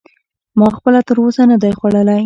ما خپله تر اوسه نه دی خوړلی.